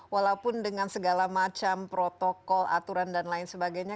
walaupun dengan segala macam protokol aturan dan lain sebagainya